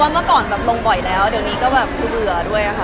เพราะก่อนลงบ่อยแล้วเดี๋ยวนี้คือเบื่อด้วยค่ะ